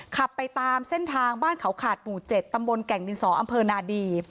ขับไปตามเส้นทางบ้านเขาขาดหมู่๗ตำบลแก่งดินสออำเภอนาดี